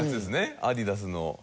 アディダスの。